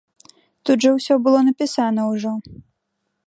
Тут жа ўсё было напісана ўжо.